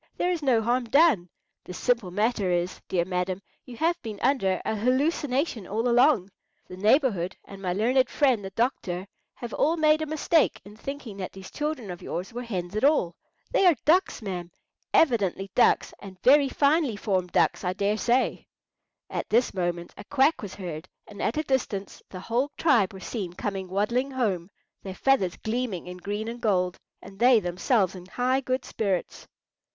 There is no harm done. The simple matter is, dear madam, you have been under a hallucination all along. The neighbourhood and my learned friend the doctor have all made a mistake in thinking that these children of yours were hens at all. They are ducks, ma'am, evidently ducks, and very finely formed ducks I daresay." [Picture: The Hen that Hatched Ducks] At this moment a quack was heard, and at a distance the whole tribe were seen coming waddling home, their feathers gleaming in green and gold, and they themselves in high good spirits.